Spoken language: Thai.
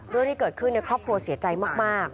เรื่องที่เกิดขึ้นครอบครัวเสียใจมาก